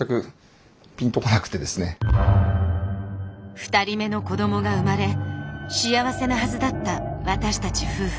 ２人目の子どもが生まれ幸せなはずだった私たち夫婦。